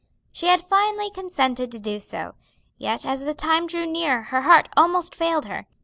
She had finally consented to do so, yet as the time drew near her heart almost failed her.